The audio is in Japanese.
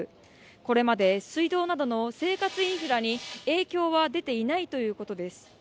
これまで水道などの生活インフラに影響は出ていないということです